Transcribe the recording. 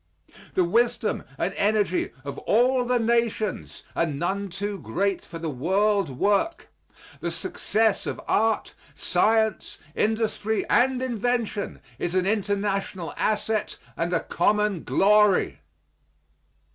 The wisdom and energy of all the nations are none too great for the world work. The success of art, science, industry and invention is an international asset and a common glory.